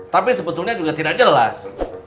tapi sebetulnya juga tidak jelas